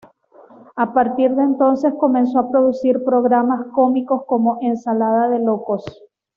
A partir de entonces comenzó a producir programas cómicos como "Ensalada de Locos".